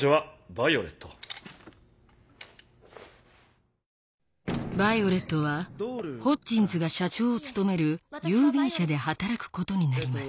ヴァイオレットはホッジンズが社長を務める郵便社で働くことになります